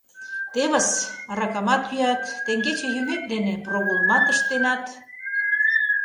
Тевыс: аракамат йӱат, теҥгече йӱмет дене прогулымат ыштенат...